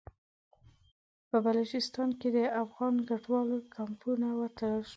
په بلوچستان کې د افغان کډوالو کمپونه وتړل شول.